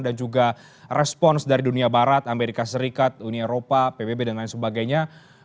dan juga respons dari dunia barat amerika serikat uni eropa pbb dan lain sebagainya